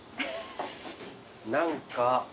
何か。